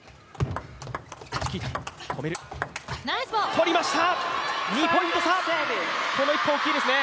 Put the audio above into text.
取りました、２ポイント差、この１本は大きいですね。